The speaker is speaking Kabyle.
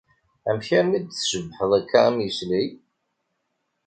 Amek armi d-tcebbḥeḍ akka am yesli?